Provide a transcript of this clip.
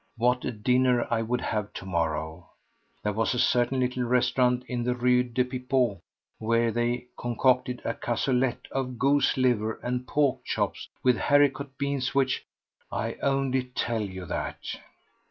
What a dinner I would have tomorrow! There was a certain little restaurant in the Rue des Pipots where they concocted a cassolette of goose liver and pork chops with haricot beans which ...! I only tell you that.